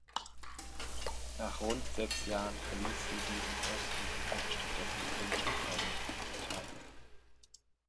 Nach rund sechs Jahren verließ sie diesen Posten und wurde stattdessen Botschafterin in Italien.